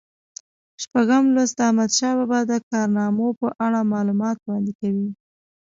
شپږم لوست د احمدشاه بابا د کارنامو په اړه معلومات وړاندې کوي.